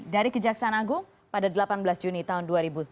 dari kejaksaan agung pada delapan belas juni tahun dua ribu tujuh belas